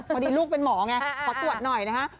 พอดีลูกเป็นหมอไงขอตรวจหน่อยนะฮะ